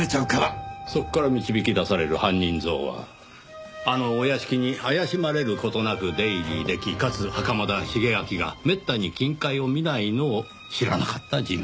そこから導き出される犯人像はあのお屋敷に怪しまれる事なく出入りできかつ袴田茂昭がめったに金塊を見ないのを知らなかった人物。